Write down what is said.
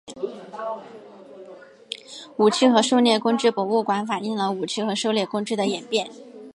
武器和狩猎工具博物馆反映了武器和狩猎工具的演变。